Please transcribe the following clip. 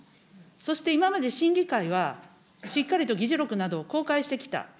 そして今まで審議会はしっかりと議事録などを公開してきた。